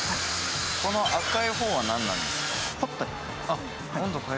この赤い方は、何なんですか？